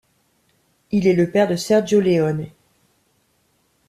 Il est le père de Sergio Leone.